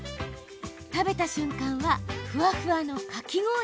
食べた瞬間はふわふわのかき氷。